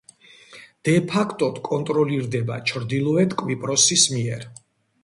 დე ფაქტოდ კონტროლირდება ჩრდილოეთ კვიპროსის მიერ.